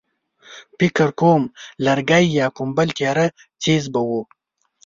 فکر کوم لرګی يا کوم بل تېره څيز به و.